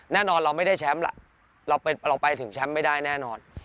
แน่นอนเราไม่ได้แชมป์ล่ะเราไปถึงแชมป์ไม่ได้แน่นอน